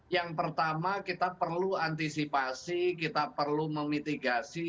yang pertama kita perlu antisipasi kita perlu memitigasi